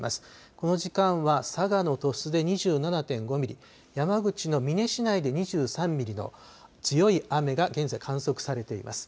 この時間は佐賀の鳥栖で２７．５ミリ、山口の美祢市内で２３ミリの強い雨が現在、観測されています。